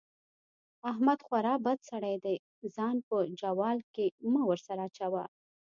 احمد خورا بد سړی دی؛ ځان په جوال کې مه ور سره اچوه.